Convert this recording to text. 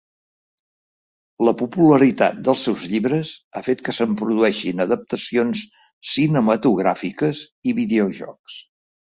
La popularitat dels seus llibres ha fet que se'n produeixin adaptacions cinematogràfiques i videojocs.